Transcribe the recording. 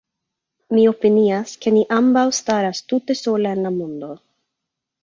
Mi opinias, ke ni ambaŭ staras tute sole en la mondo.